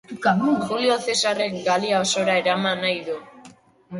Julio Zesarrek Galia osora eraman nahi du.